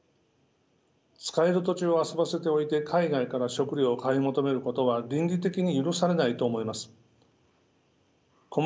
使える土地を遊ばせておいて海外から食料を買い求めることは倫理的に許されないと思います。